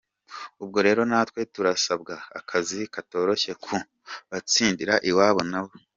Ubwo rero natwe turasabwa akazi katoroshye ko kubatsindira iwabo nabo.